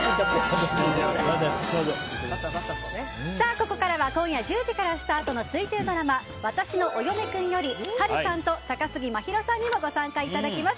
ここからは今夜１０時からスタートの水１０ドラマ「わたしのお嫁くん」より波瑠さんと高杉真宙さんにもご参加いただきます。